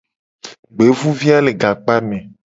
Gbevuvia le gakpame.